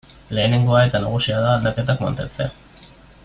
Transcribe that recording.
Lehenengoa eta nagusia da aldaketak mantentzea.